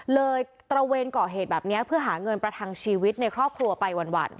ตระเวนก่อเหตุแบบนี้เพื่อหาเงินประทังชีวิตในครอบครัวไปวัน